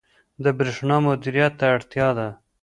• د برېښنا مدیریت ته اړتیا ده.